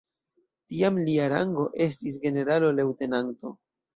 Tiam lia rango estis generalo-leŭtenanto.